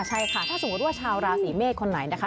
ใช่ค่ะถ้าสมมุติว่าชาวราศีเมษคนไหนนะคะ